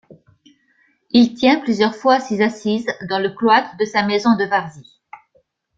Il tient plusieurs fois ses assises dans le cloître de sa maison de Varzy.